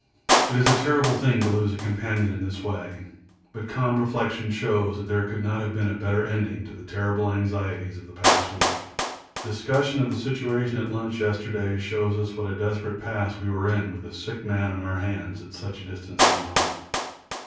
It is a terrible thing to lose a companion in this way, but calm reflection shows that there could not have been a better ending to the terrible anxieties of the past week. Discussion of the situation at lunch yesterday shows us what a desperate pass we were in with a sick man on our hands at such a distance from home.